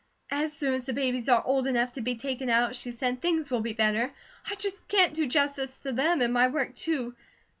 "As soon as the babies are old enough to be taken out," she said, "things will be better. I just can't do justice to them and my work, too.